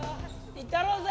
いったろうぜ！